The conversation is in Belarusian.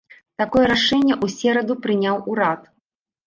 Такое рашэнне ў сераду прыняў урад.